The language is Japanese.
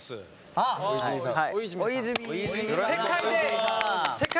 あっ大泉さん！